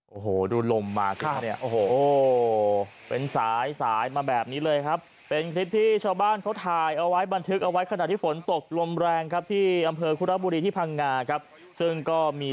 โอ้โหดูลมมาขึ้นมาเนี่ยโอ้โหเป็นสายสายมาแบบนี้เลยครับเป็นคลิปที่ชาวบ้านเขาถ่ายเอาไว้บันทึกเอาไว้ขณะที่ฝนตกลมแรงครับที่อำเภอคุระบุรีที่พังงาครับซึ่งก็มี